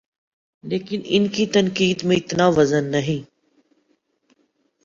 لیکن ان کی تنقید میں اتنا وزن نہیں۔